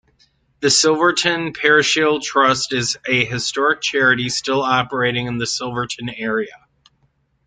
The Silverton Parochial Trust is a historic charity still operating in the Silverton area.